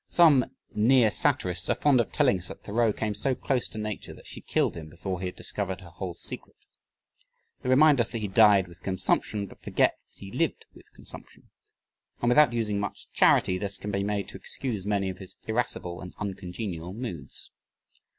Some near satirists are fond of telling us that Thoreau came so close to Nature that she killed him before he had discovered her whole secret. They remind us that he died with consumption but forget that he lived with consumption. And without using much charity, this can be made to excuse many of his irascible and uncongenial moods.